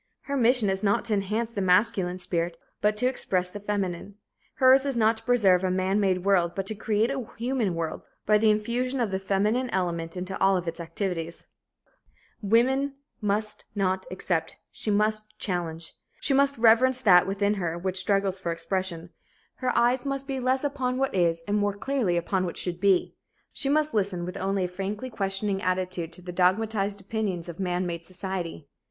Her mission is not to enhance the masculine spirit, but to express the feminine; hers is not to preserve a man made world, but to create a human world by the infusion of the feminine element into all of its activities. Woman must not accept; she must challenge. She must not be awed by that which has been built up around her; she must reverence that within her which struggles for expression. Her eyes must be less upon what is and more clearly upon what should be. She must listen only with a frankly questioning attitude to the dogmatized opinions of man made society.